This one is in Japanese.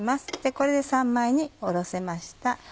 これで三枚におろせました。